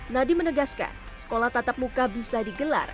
nadiem menegaskan sekolah tatap muka bisa digelar